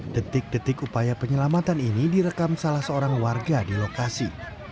detik detik upaya penyelamatan ini direkam salah seorang warga di lokasi